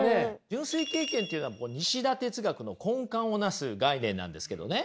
純粋経験っていうのは西田哲学の根幹を成す概念なんですけどね